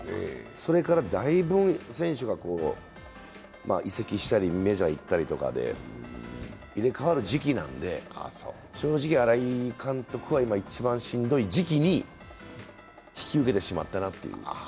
それからだいぶ選手が移籍したりメジャーいったりとかで入れ代わる時期なので、正直、新井監督は今、一番しんどい時期に引き受けてしまったなという。